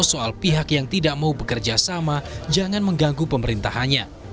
soal pihak yang tidak mau bekerja sama jangan mengganggu pemerintahannya